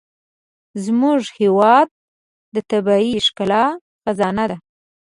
زموږ هېواد د طبیعي ښکلا خزانه ده.